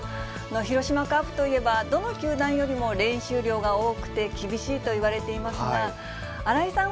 広島カープといえば、どの球団よりも練習量が多くて厳しいといわれていますが、新井さん